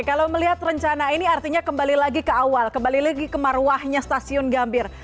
kalau melihat rencana ini artinya kembali lagi ke awal kembali lagi ke marwahnya stasiun gambir